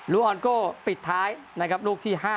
ลูออนโกปิดท้ายนะครับลูกที่ห้า